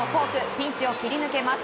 ピンチを切り抜けます。